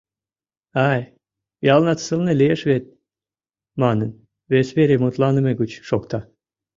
— Ай, ялнат сылне лиеш вет, — манын, вес вере мутланыме гыч шокта.